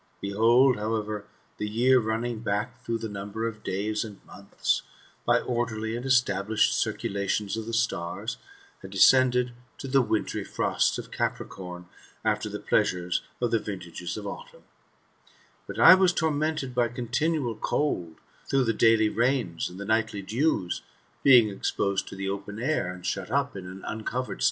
Behold, however, the year running back through tliC number of days and months, by orderly and established circulations of the stars, had des cended to the winterly frosts of Capricorn,® after the pleasures of the vintages of autumn ; but I was tormented by continual cold, through the daily rains and the nightly dews, being exposed to the open air, and shut up in an uncovered stable.